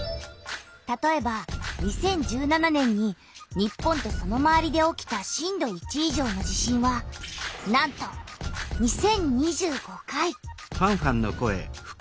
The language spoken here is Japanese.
たとえば２０１７年に日本とそのまわりで起きた震度１以上の地震はなんと２０２５回！